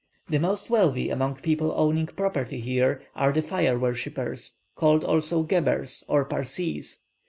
The most wealthy among people owning property here are the Fire worshippers, called also Gebers, or Parsees.